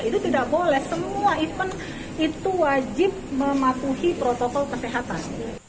itu tidak boleh semua event itu wajib mematuhi protokol kesehatan